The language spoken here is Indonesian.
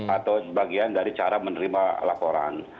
atau bagian dari cara menerima laporan